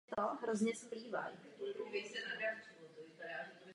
Pro oblibu melodie na ní bylo napsáno několik textů.